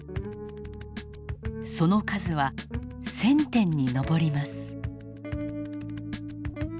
その数は１，０００点に上ります。